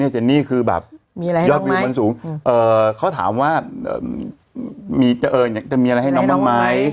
เจนนี่คือแบบยอดวิวมันสูงเขาถามว่าจะมีอะไรให้น้องบ้างไหม